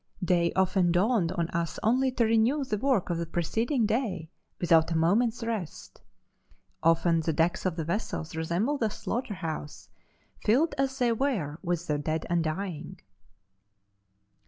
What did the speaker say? "Day often dawned on us only to renew the work of the preceding day, without a moment's rest. Often the decks of the vessels resembled a slaughter house, filled as they were with the dead and dying."